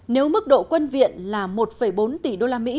nếu mức độ quân viện là một bốn tỷ usd